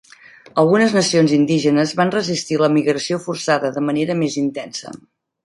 Algunes nacions indígenes van resistir la migració forçada de manera més intensa.